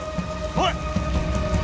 おい！